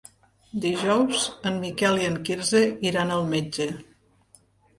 Dijous en Miquel i en Quirze iran al metge.